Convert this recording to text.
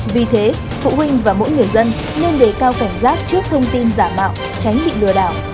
vì thế phụ huynh và mỗi người dân nên đề cao cảnh giác trước thông tin giả mạo tránh bị lừa đảo